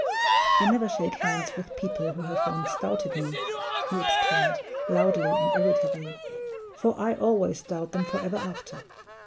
"I never shake hands with people who have once doubted me," he exclaimed, loudly and irritably; "for I always doubt them forever after.